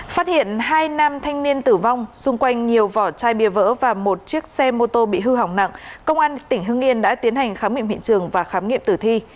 phát hiện hai nam thanh niên tử vong xung quanh nhiều vỏ chai bia vỡ và một chiếc xe mô tô bị hư hỏng nặng công an tỉnh hưng yên đã tiến hành khám nghiệm hiện trường và khám nghiệm tử thi